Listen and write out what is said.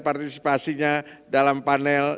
partisipasinya dalam panel